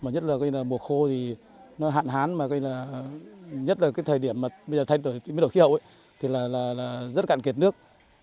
nhất là mùa khô hạn hán nhất là thời điểm thay đổi khí hậu rất cạn kiệt nước